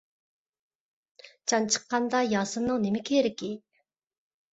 جان چىققاندا ياسىننىڭ نېمە كېرىكى.